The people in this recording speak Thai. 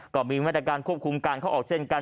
ก็มีมาตรการควบคุมการเข้าออกเช่นกัน